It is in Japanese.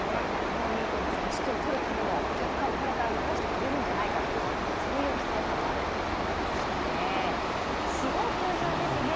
来年以降も指揮を執るための結果をこれから残してくれるんじゃないかというそういう期待感もあるということですね。